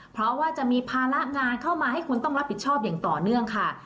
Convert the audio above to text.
เพราะว่าจะมีภาระงานเข้ามาให้คุณต้องรับผิดชอบอย่างต่อเนื่องค่ะ